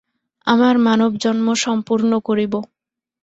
আমার মানবজন্ম সম্পূর্ণ করিব।